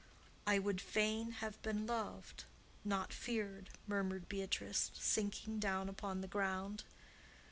"I would fain have been loved, not feared," murmured Beatrice, sinking down upon the ground.